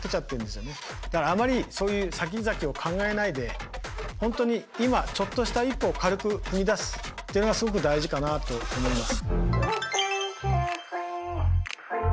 だからあまりそういうさきざきを考えないで本当に今ちょっとした一歩を軽く踏み出すっていうのがすごく大事かなと思います。